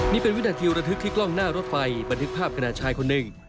นี่เป็นวินาทีระทึกที่กล้องหน้ารถไฟบันทึกภาพขณะชายคนหนึ่ง